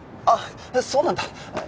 あっそうなんだ。